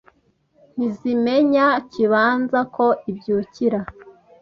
Ntizimenya Kibanza ko ibyukira